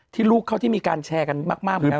ที่ลูกเขาที่มีการแชร์กันมาก